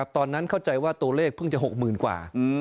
ตอนนั้นเข้าใจว่าตัวเลขเพิ่งจะ๖๐๐๐กว่า